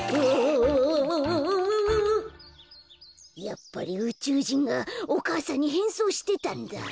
やっぱりうちゅうじんがお母さんにへんそうしてたんだ。